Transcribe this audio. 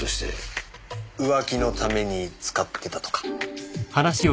浮気のために使ってたとか？